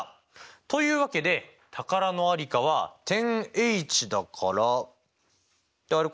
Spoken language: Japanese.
というわけで宝の在りかは点Ｈだからあれ？